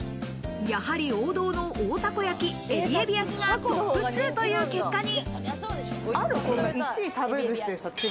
やはり、王道の大たこ焼、えびえび焼がトップ２という結果に。